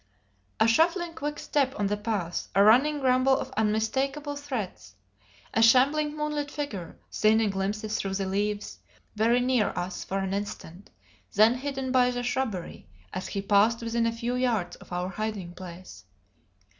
A shuffling quick step on the path; a running grumble of unmistakable threats; a shambling moonlit figure seen in glimpses through the leaves, very near us for an instant, then hidden by the shrubbery as he passed within a few yards of our hiding place.